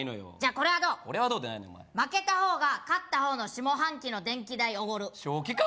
これはどうって何やねん負けた方が勝った方の下半期の電気代おごる正気か？